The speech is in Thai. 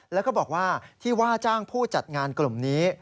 แล้วก็บอกว่าที่ว่าจ้างผู้จัดงานกลุ่มนี้